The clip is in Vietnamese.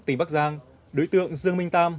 tỉnh bắc giang đối tượng dương minh tam